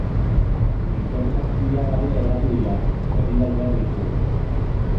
Linternak pila gabe geratu dira, berriak behar ditugu.